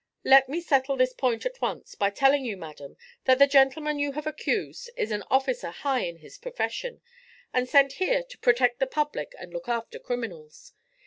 'Let me settle this point at once by telling you, madam, that the gentleman you have accused is an officer high in his profession, and sent here to protect the public and look after criminals.